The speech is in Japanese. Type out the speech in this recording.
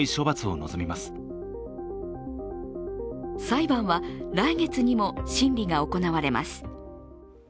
裁判は来月にも審理が行われます。